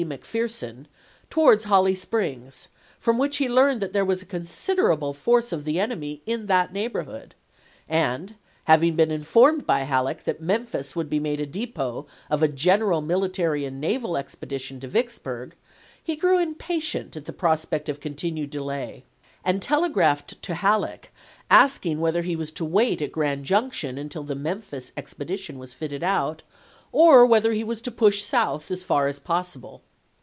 McPherson, towards Holly Springs, from which he learned that there was a considerable force of the enemy in that neighborhood; and, having been informed by Halleck that Memphis would be made a depot of a general military and naval expedition to Vicksburg, he grew impatient at the prospect of continued delay, and telegraphed to Halleck asking whether he was to wait at Grand Junction until the Memphis expedition was fitted out, or whether he PEELUDES TO THE VICKSBURG CAMPAIGNS 123 was to push south as far as possible.